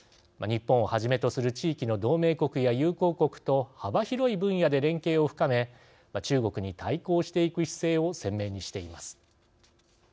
日本をはじめとする地域の同盟国や友好国と幅広い分野で連携を深め中国に対抗していく姿勢を鮮明にしています。